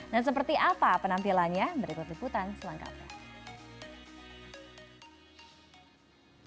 dan seperti apa penampilannya berikut liputan selangkah berikut